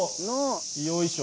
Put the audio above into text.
よいしょ。